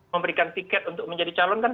memberikan tiket untuk menjadi calon kan